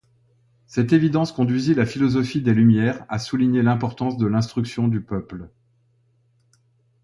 Cette évidence conduisit la Philosophie des Lumières à souligner l'importance de l'instruction du peuple.